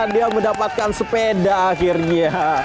dia mendapatkan sepeda akhirnya